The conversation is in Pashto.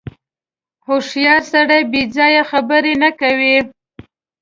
• هوښیار سړی بېځایه خبرې نه کوي.